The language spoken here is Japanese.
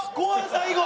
最後」